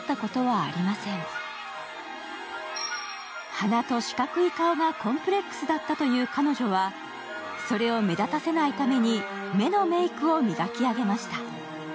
鼻と四角い顔がコンプレックスだったという彼女は、それを目立たせないために目のメークを磨き上げました。